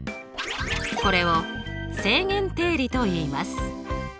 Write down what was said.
これを正弦定理といいます。